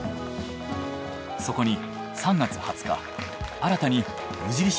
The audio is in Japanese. そこに３月２０日新たに無印